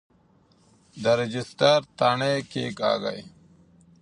د رجسټر تڼۍ کیکاږئ.